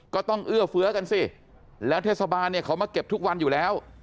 เอื้อเฟื้อกันสิแล้วเทศบาลเนี่ยเขามาเก็บทุกวันอยู่แล้ว